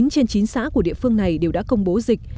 chín trên chín xã của địa phương này đều đã công bố dịch